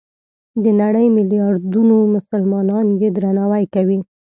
د نړۍ ملیاردونو مسلمانان یې درناوی کوي.